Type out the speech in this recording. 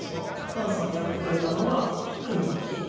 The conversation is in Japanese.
菅さんやってくれたのが粉蒔き。